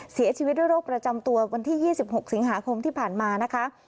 เสียชีวิตด้วยโรคประจำตัววันที่๒๖สิงหาคมที่ผ่านมานะคะ